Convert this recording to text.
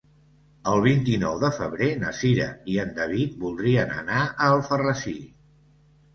El vint-i-nou de febrer na Cira i en David voldrien anar a Alfarrasí.